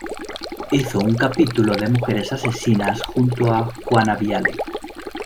Hizo un capítulo de Mujeres Asesinas junto a Juana Viale.